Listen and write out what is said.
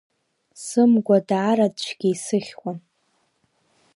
Сымгәа даара цәгьа исыхьуан.